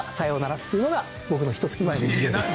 っていうのが僕のひと月前の授業です。